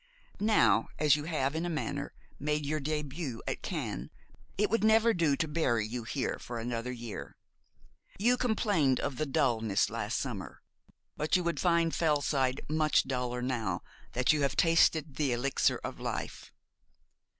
'Now, as you have in a manner made your début at Cannes, it would never do to bury you here for another year. You complained of the dullness last summer; but you would find Fellside much duller now that you have tasted the elixir of life.